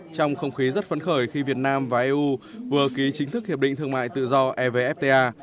trong không khí rất phấn khởi khi việt nam và eu vừa ký chính thức hiệp định thương mại tự do evfta